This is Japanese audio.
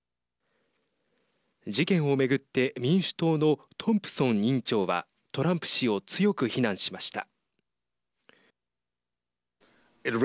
事件を巡って民主党のトンプソン委員長はトランプ氏を強く非難しました。